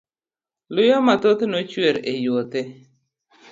Luya mathoth nochwer e yuothe.